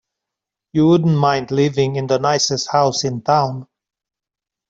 You wouldn't mind living in the nicest house in town.